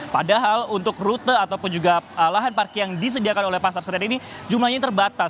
padahal untuk rute ataupun juga lahan parkir yang disediakan oleh pasar senen ini jumlahnya terbatas